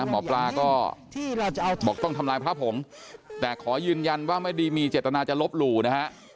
หมอปลาก็บอกต้องทำลายพระผงแต่ขอยืนยันว่าไม่ได้มีเจตนาจะลบหลู่นะฮะ